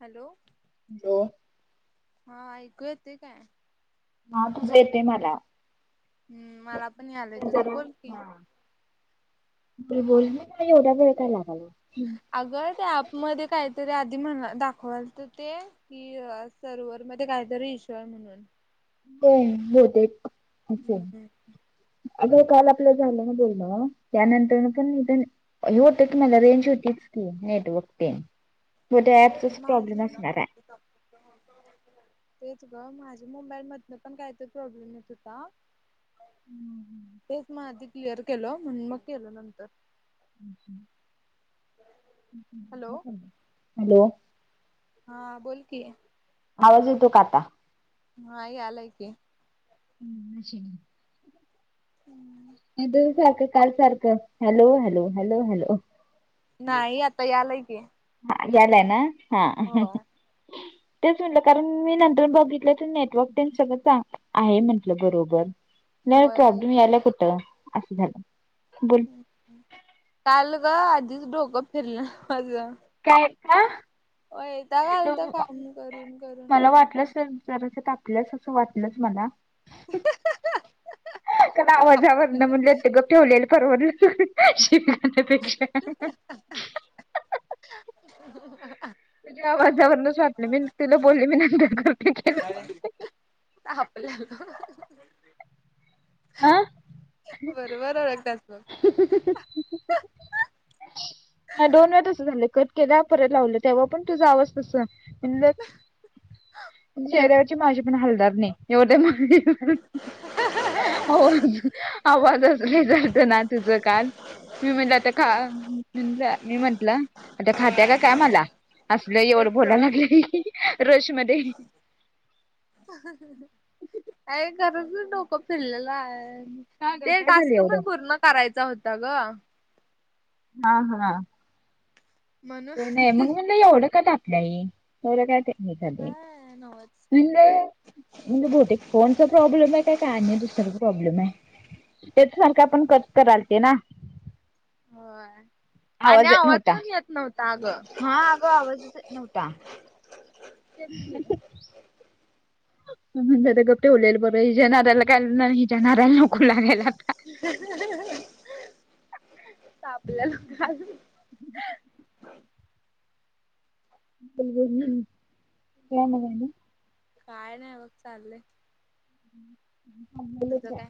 Hello लो हा, ऐकू येतय काय? हा, तुझं येतय मला हूं, मला पण यालंय तुझं, बोल की, म बोल ना का एवढा वेळ लागलोय. हु अगं त्या अँपमध्ये कायतरी आधी म्हण दाखवालत ते की, सरवर मध्ये कायतरी इशु आय म्हणून होय. बहुतेक असल हम्म अग, काल आपलं झालं ना बोलण, त्यानंतर न पण मी पण हे होत की, मला रेंज होतीच की, नेटवर्क तेनं, म ते अँप तेच प्रॉब्लेम असणार हाय [unintelligible] ते ग माझ्या मोंबाईल मधन पण कायतरं प्रॉब्लेम येत होता. तेच म आधी क्लिअर केलं. म्हणून मग केलं नंतर हु हु हूं हूं हॅलो काय चालंय, हॅलो हा बोल की, आवाज येतो का आता हा यालाय की, हूं [unintelligible] हुम्म त्या दिवस सारख, काल सारख, हॅलो, हॅलो, हॅलो, हॅलो नाही. आता यालाय की, हा, यालाय ना, हा होय तेच म्हणलं कारण मी नंतर यून बघितलं तर नेटवर्क तेन सगळं चांगल आहे म्हंटलं बरोबर. नाही मग होय हाय प्रॉब्लेम यायलाय कुठं? असं झालं की. काल ग आधीच डोकं फिरलं माज काय [unintelligible] वैताग आलता काम करून, करून, मला करून वाटलंच जरास तापल्यास असं वाटलंच मला हम का आवाजावर न आपल्याला म्हणलं गप्प ठेवलेलं परवडलं [unintelligible] पेक्षा ह ह ह तुझ्या आवाजावरनचं वाटलं मी तिला बोलली बी नाही, [unintelligible] तापल्या ह ह आ बरोबर ओळकत्यास बग [unintelligible] [unintelligible] [inaudible] नाही दोन वेळा तसं झालं कट केला परत लावले तेव्हा पण तुझा आवाज तस [unintelligible] [unintelligible] ची माझे पण हलणार नाही एवढ्या ह ह आ आवाजच वेगळा हूता ना तुझं काल, मी म्हणलं आता काय [unintelligible] मी म्हंटल आता खात्या का काय मला? आसलं तेच एवढं बोलाय काय लागल्या रशमध्ये ह ह अ काय दररोजच डोकं फिरलेलं हाय. का गं ते काय झालं टास्क एवढं? पण पूर्ण करायचा हुता ग. हा हा म्हणून ते नाही मग म्हणलं एवढं का तापल्या ही, एवढं काय [unintelligible] झालय. काय नव्हच. हो म्हणलं बहुतेक फोन चा प्रॉब्लेम हाय काय आणि दुसरचं प्रॉब्लेम हाय. तेच सारखं आपण कट करालते ना. होय आणि येत आवाज नव्हता. पण येत नव्हता अगं हा अगं आवाजच येत नव्हता. तेच की म्हणलं आता गप ठेवलेल बरं हिच्या नादाला काय न हिच्या नादाला नको लागायला [inaudible] तापल्या अजून [unintelligible] काय मग आणि काय नाही बघ चाललय. [unintelligible] तुझं काय?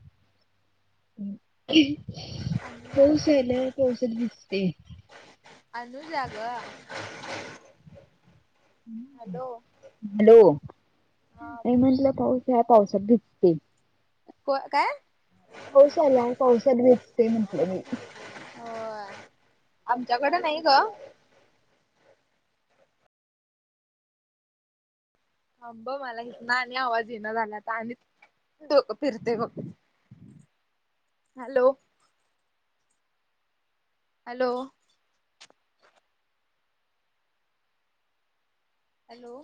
अनुजा पऊस आल्यावर पावसात भिजते. [inaudible] आणू ला ग हॅलो. हॅलो हा नाही बोल. म्हटलं पाऊस हाय पावसात भिजते. होय काय? पाऊस आलाय पावसाला भिजते म्हटलं मी. होय आमच्याकड नाही ग थांबा मला हीतन आणि आवाज यीना झालाय आता आणि डोकं फिरतय बघ, hello hello hello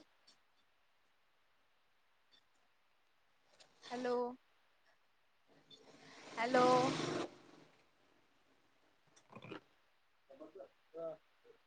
[inaudible] hello, hello [inaudible]